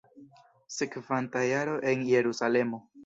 Sekvanta jaro en Jerusalemo.